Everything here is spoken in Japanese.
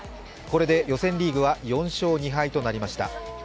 これで予選リーグは４勝２敗となりました。